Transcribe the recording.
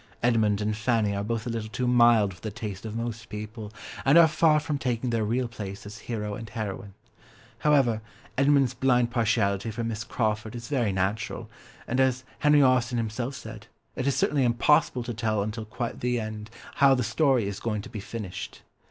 Edmund and Fanny are both a little too mild for the taste of most people, and are far from taking their real place as hero and heroine. However, Edmund's blind partiality for Miss Crawford is very natural, and, as Henry Austen himself said, it is certainly impossible to tell until quite the end how the story is going to be finished.